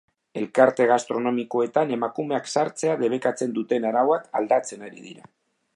Elkarte gastronomikoetan emakumeak sartzea debekatzen duten arauak aldatzen ari dira.